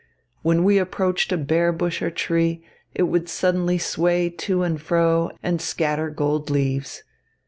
When we approached a bare bush or tree, it would suddenly sway to and fro and scatter gold leaves.